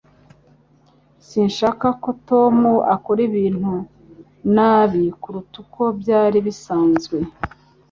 Sinshaka ko Tom akora ibintu nabi kuruta uko byari bisanzwe